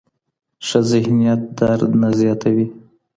ښه ذهنیت درد نه زیاتوي.